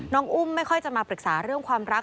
อุ้มไม่ค่อยจะมาปรึกษาเรื่องความรัก